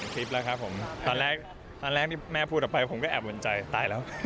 คลิปแล้วครับผมตอนแรกตอนแรกที่แม่พูดออกไปผมก็แอบอุ่นใจตายแล้ว